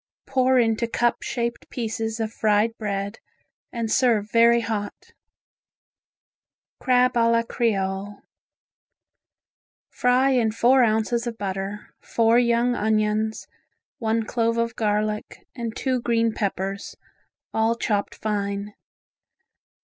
Pour into cup shaped pieces of fried bread, and serve very hot. Crab a la Creole Fry in four ounces of butter, four young onions, one clove of garlic and two green peppers, all chopped fine.